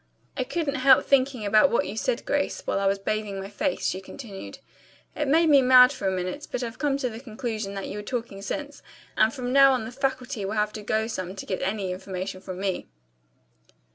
I couldn't help thinking about what you said, Grace, while I was bathing my face," she continued. "It made me mad for a minute, but I've come to the conclusion that you were talking sense, and from now on the faculty will have to go some to get any information from me."